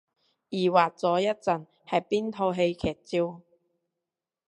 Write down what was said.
疑惑咗一陣係邊套戲劇照